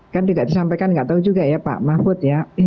kan tidak disampaikan nggak tahu juga ya pak mahfud ya